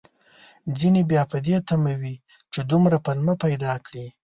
ځينې بيا په دې تمه وي، چې دومره پلمه پيدا کړي